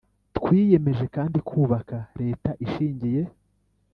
Twiyemeje kandi kubaka leta ishingiye